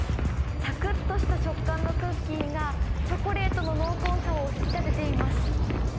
さくっとした食感のクッキーが、チョコレートの濃厚さを引き立てています。